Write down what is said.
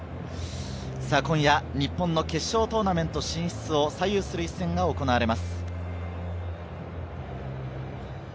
今夜、日本の決勝トーナメント進出を左右する一戦が行われます。